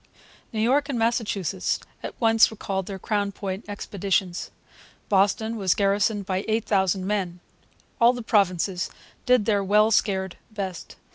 New York and Massachusetts at once recalled their Crown Point expeditions. Boston was garrisoned by 8,000 men. All the provinces did their well scared best.